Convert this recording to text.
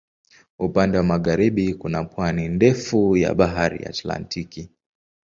Upande wa magharibi kuna pwani ndefu ya Bahari Atlantiki.